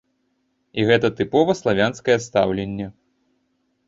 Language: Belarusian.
І гэта тыпова славянскае стаўленне.